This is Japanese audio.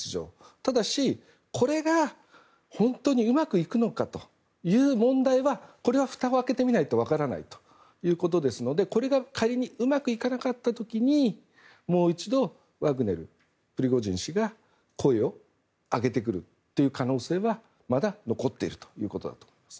ただし、これが本当にうまくいくのかという問題はこれはふたを開けてみないと分からないということですのでこれが仮にうまくいかなかった時にもう一度ワグネルプリゴジン氏が声を上げてくるという可能性はまだ残っているということだと思います。